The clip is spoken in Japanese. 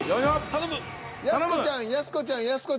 頼む。